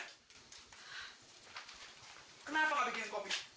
kenapa kau berikan kopi